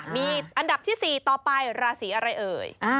มีอันดับที่๔ต่อไปราศีอะไรเอ่ย